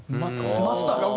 マスターが動くんや！